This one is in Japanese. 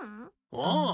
ああ。